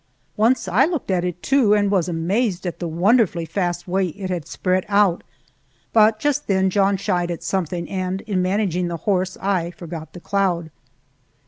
Once I looked at it, too, and was amazed at the wonderfully fast way it had spread out, but just then John shied at something, and in managing the horse I forgot the cloud.